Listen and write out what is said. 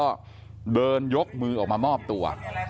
สุดท้ายก็เดินยกมือออกมามอบตัว